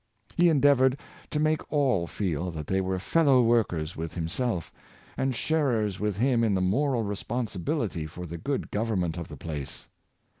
He endeavored to make all feel that they were fellow workers with him self, and sharers with him m the moral responsibility for the good government of the place.